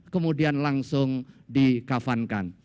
kemudian langsung dikafankan